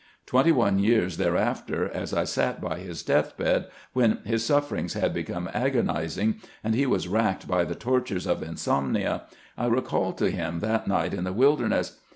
Twenty one years thereafter, as I sat by his death bed, when his sufferings had become agonizing, and he was racked by the tortures of insomnia, I recalled to him that night in the "Wilderness.